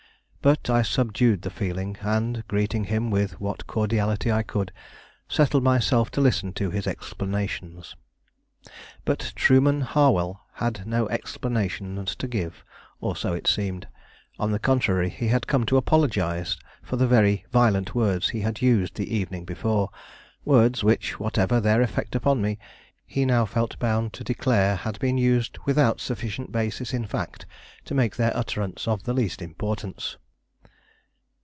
But I subdued the feeling; and, greeting him with what cordiality I could, settled myself to listen to his explanations. But Trueman Harwell had no explanations to give, or so it seemed; on the contrary, he had come to apologize for the very violent words he had used the evening before; words which, whatever their effect upon me, he now felt bound to declare had been used without sufficient basis in fact to make their utterance of the least importance.